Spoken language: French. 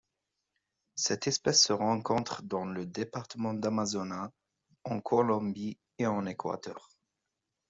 Cette espèce se rencontre dans le département d'Amazonas en Colombie et en Équateur.